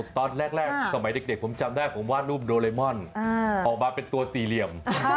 ตอนแรกยกเด็กสม่ายผมจะจำได้ว่างลูกโดรบิโรโลมอนออกมาเป็นสี่เหลี่ยม